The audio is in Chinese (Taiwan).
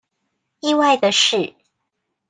意外的是